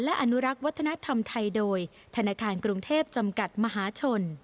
และอนุรักษ์วัฒนธรรมไทยโดยธนาคารกรุงเทพจำกัดมหาชน